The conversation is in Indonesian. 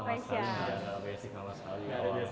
tidak ada basic sama sekali